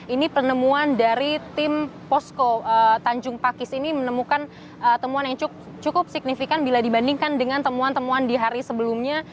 ini penemuan dari tim posko tanjung pakis ini menemukan temuan yang cukup signifikan bila dibandingkan dengan temuan temuan di hari sebelumnya